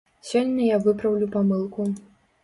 Сёння я выпраўлю памылку.